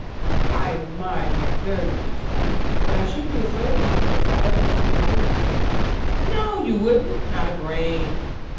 I admire him very much, but I should be afraid of him if I ever saw him nearer." "No, you wouldn't; not a grain.